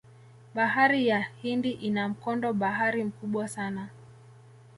bahari ya hindi ina mkondo bahari mkubwa sana